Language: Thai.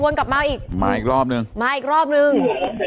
วนกลับมาอีกมาอีกรอบนึง